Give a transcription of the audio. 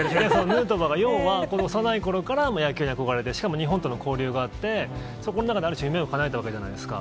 ヌートバーが、要はこの幼いころから野球に憧れて、しかも、日本との交流があって、そこの中である種、夢をかなえたわけじゃないですか。